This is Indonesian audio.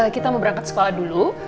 kita mau berangkat sekolah dulu